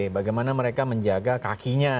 bagaimana mereka menjaga kakinya